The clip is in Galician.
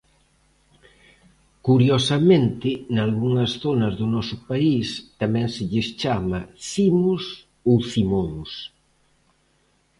Curiosamente, nalgunhas zonas do noso país tamén se lles chama cimos ou cimóns.